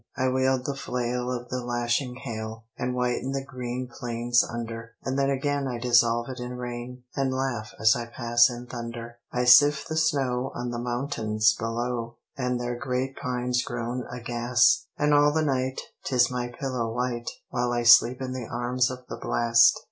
I wield the flail of the lashing hail, And whiten the green plains under; And then again I dissolve it in rain, And laugh as I pass in thunder. I sift the snow on the mountains below, And their great pines groan aghast; And all the night 'tis my pillow white, While I sleep in the arms of the blast.